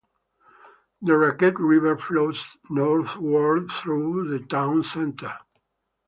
The Raquette River flows northward through the town's center.